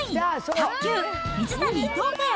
卓球、水谷・伊藤ペア。